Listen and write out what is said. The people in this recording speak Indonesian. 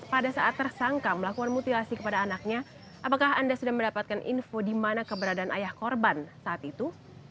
pada saat tersangka melakukan mutilasi kepada anaknya apakah anda sudah mendapatkan info di mana keberadaan ayah korban saat itu